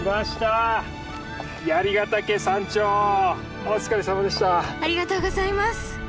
ありがとうございます！